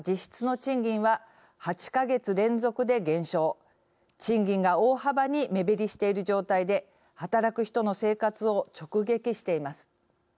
賃金が大幅に目減りしている状態で働く人の生活を直撃しています。